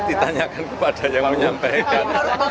ditanyakan kepada yang menyampaikan